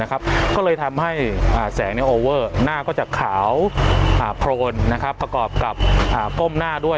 ก็เลยทำให้แสงโอเวอร์หน้าก็จะขาวโพลนประกอบกับก้มหน้าด้วย